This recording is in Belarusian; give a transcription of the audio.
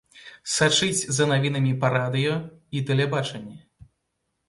Сачыць за навінамі па радыё і тэлебачанні.